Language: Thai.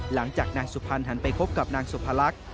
หลังจากนางสุพรรณหันไปพบกับนางสุพรรค